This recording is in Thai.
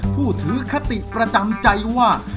ผู้ถือคติประจำใจว่า